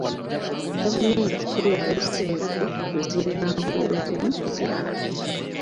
Gavumenti tewaayo ssente kuzimba nguudo zimu mu byalo